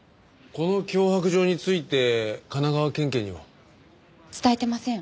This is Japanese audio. この脅迫状について神奈川県警には？伝えてません。